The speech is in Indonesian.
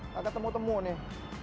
tak ketemu temu nih